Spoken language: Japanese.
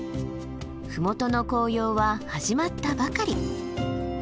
麓の紅葉は始まったばかり。